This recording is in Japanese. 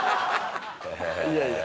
いやいや。